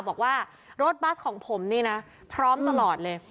บอกว่ารถบัสของผมนี่นะพร้อมตลอดเลย